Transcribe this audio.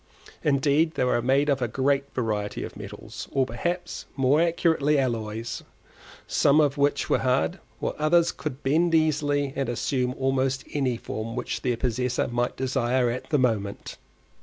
Indeed they were made of a great variety of metals, or, perhaps more accurately, alloys, some of which were hard, while others would bend easily and assume almost any form which their possessor might desire at the moment.